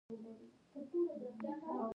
چې پر پاسه یې پرې غلیظ ساس اچول شوی و.